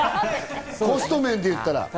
コスト面で言ったら。